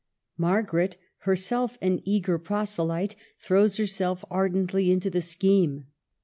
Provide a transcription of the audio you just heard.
Margaret, her self an eager proselyte, throws herself ardently into the scheme.